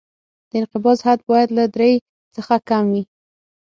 د انقباض حد باید له درې څخه کم وي